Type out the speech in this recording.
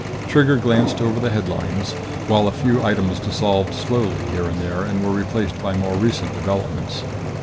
Trigger glanced over the headlines, while a few items dissolved slowly here and there and were replaced by more recent developments.